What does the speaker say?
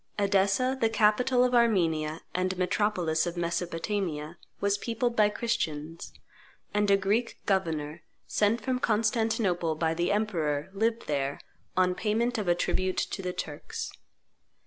Edessa, the capital of Armenia and metropolis of Mesopotamia, was peopled by Christians; and a Greek governor, sent from Constantinople by the emperor, lived there, on payment of a tribute to the Turks.